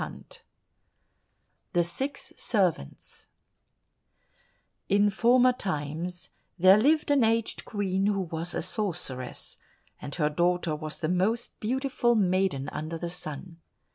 134 The Six Servants In former times there lived an aged Queen who was a sorceress, and her daughter was the most beautiful maiden under the sun.